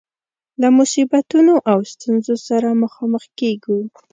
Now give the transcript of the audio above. له مصیبتونو او ستونزو سره مخامخ کيږو.